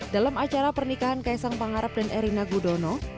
dalam acara pernikahan kaisang pangarap dan erina gudono